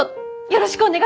よろしくね！